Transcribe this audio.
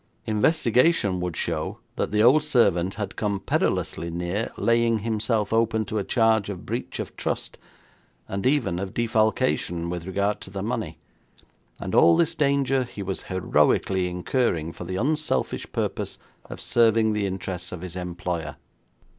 Investigation would show that the old servant had come perilously near laying himself open to a charge of breach of trust, and even of defalcation with regard to the money, and all this danger he was heroically incurring for the unselfish purpose of serving the interests of his employer.